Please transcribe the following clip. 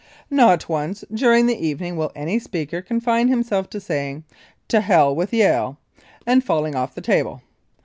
Not once during the evening will any speaker confine himself to saying, "To Hell with Yale!" and falling off the table.